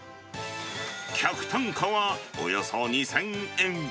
客単価はおよそ２０００円。